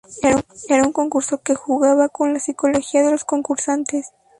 Era un concurso que jugaba con la psicología de los concursantes.